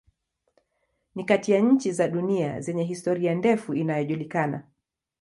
Ni kati ya nchi za dunia zenye historia ndefu inayojulikana.